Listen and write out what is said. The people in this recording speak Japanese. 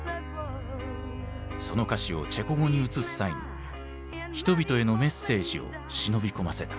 その歌詞をチェコ語に移す際に人々へのメッセージを忍び込ませた。